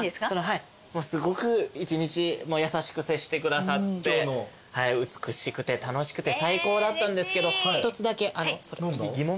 はいすごく一日優しく接してくださって美しくて楽しくて最高だったんですけど１つだけ疑問が。